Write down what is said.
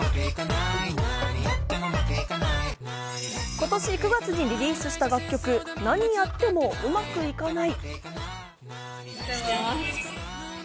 今年９月にリリースした楽曲『なにやってもうまくいかない』。